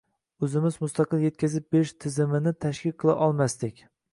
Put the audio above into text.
O‘zimiz mustaqil yetkazib berish tizimini tashkil qila olmasdik.